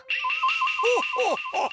ホッホッホッ。